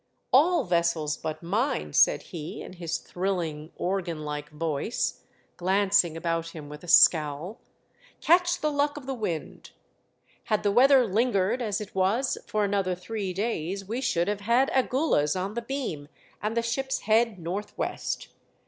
" All vessels but mine," said he, in his thrilling, organ like voice, glancing about him with a scowl, "catch the luck of the wind. Had the weather lingered as it was for another three days, we should have had Agulhas on the beam and the ship's head north west.